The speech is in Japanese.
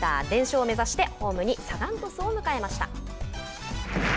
連勝目指してホームにサガン鳥栖を迎えました。